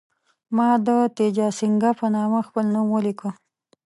ما د تیجاسینګه په نامه خپل نوم ولیکه.